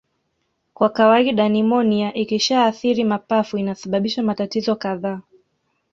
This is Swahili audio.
Kwa kawaida nimonia ikishaathiri mapafu inasababisha matatizo kadhaa